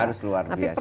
harus luar biasa